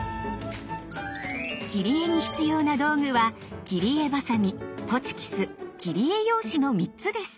切り絵に必要な道具は切り絵バサミホチキス切り絵用紙の３つです。